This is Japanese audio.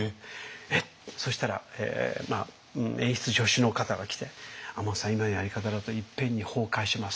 そしたら演出助手の方が来て「亞門さん今のやり方だといっぺんに崩壊します。